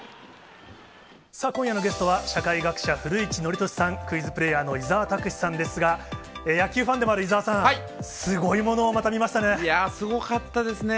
今夜のゲストは社会学者、古市憲寿さん、クイズプレーヤーの伊沢拓司さんですが、野球ファンでもある伊沢さん、すごいものをまた見ましたね。